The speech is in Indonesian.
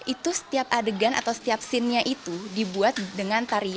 itu setiap adegan atau setiap scene nya itu dibuat dengan tarian yang ada modelnya